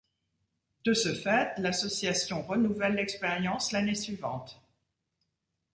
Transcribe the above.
De ce fait, l’association renouvelle l'expérience l’année suivante.